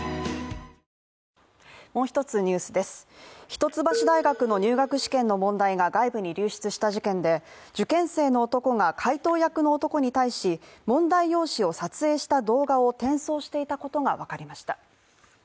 一橋大学の入学試験の問題が外部に流出した事件で、受験生の男が解答役の男に対し、問題用紙を撮影した動画を転送していたことがわかりました。